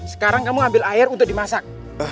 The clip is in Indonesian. sekarang kamu ambil air untuk dimasak